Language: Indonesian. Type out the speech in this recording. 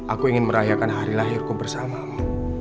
aku ingin merayakan hari lahirku bersamamu